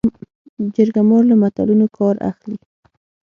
جرګه مار له متلونو کار اخلي